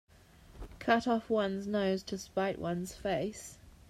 Cut off one's nose to spite one's face.